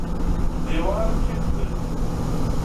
دېوال ټیټ دی.